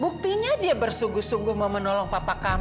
buktinya dia bersuguh suguh mau menolong papa kamu